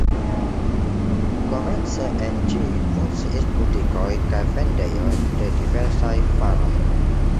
Komence en ĝi funkciis butikoj kaj vendejoj de diversaj varoj.